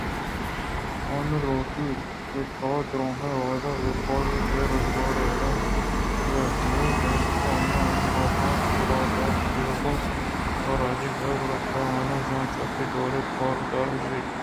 آنہ لوٹیت کہ تودُرٛاہیں وہدءَ بے کار ءُبے روزگارانی وڑا بہ بئے پمشکا آئی ءَمن ءَ لوٹ اِتءُراہ دات کہ اگاں تو راضی بئے گڑا ترا وانگجاہ ءَ چوکیدار ی ء ِ کارءَ دارگ بیت